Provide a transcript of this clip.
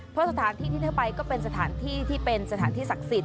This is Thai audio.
เพราะสถานที่เข้าไปที่เป็นสถานที่ศักดิ์สิต